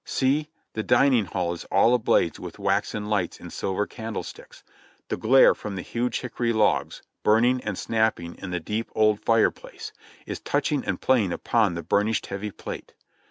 See ! The dining hall is all ablaze with waxen lights in silver candlesticks. The glare from the huge hickory logs, burn ing and snapping in the deep old fire place, is touching and playing upon the burnished heavy plate.